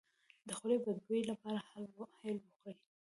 د خولې د بد بوی لپاره هل وخورئ